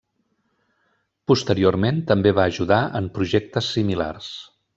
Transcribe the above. Posteriorment també va ajudar en projectes similars.